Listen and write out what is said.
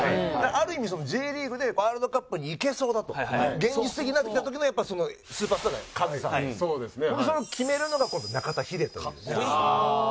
ある意味Ｊリーグでワールドカップに行けそうだと現実的になってきた時のやっぱスーパースターがカズさんでそれを決めるのが今度中田ヒデというね。